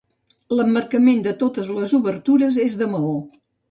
L'emmarcament de totes les obertures és de maó.